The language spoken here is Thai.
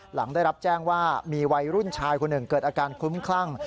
หลังได้รับแจ้งว่ามีวัยรุ่นชายคนหนึ่งเกิดอาการคุ้มคลั่ง